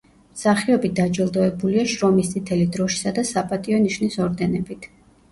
მსახიობი დაჯილდოებულია შრომის წითელი დროშისა და „საპატიო ნიშნის“ ორდენებით.